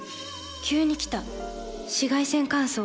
急に来た紫外線乾燥。